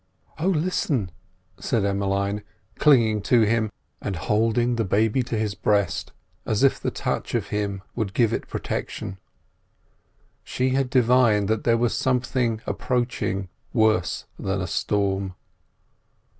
"Oh, listen!" said Emmeline, clinging to him, and holding the baby to his breast as if the touch of him would give it protection. She had divined that there was something approaching worse than a storm.